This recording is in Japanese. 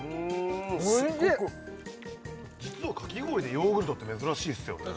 すっごく実はかき氷でヨーグルトって珍しいですよね